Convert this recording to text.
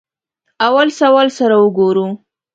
اولسوال سره وګورو.